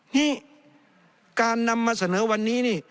นี่การนำมาเสนอวันนี้นี่